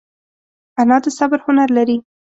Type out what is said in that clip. انا د صبر هنر لري